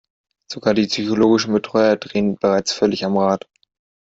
Sogar die psychologischen Betreuer drehen bereits völlig am Rad.